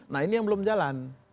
nah ini yang belum jalan